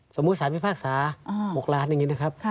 สมมุติสารพิพากษา๖ล้านอย่างนี้นะครับ